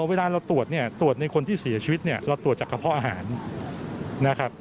เวลาเราตรวจเนี่ยตรวจในคนที่เสียชีวิตเนี่ยเราตรวจจากกระเพาะอาหารนะครับ